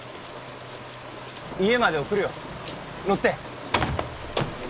家まで送るよ乗って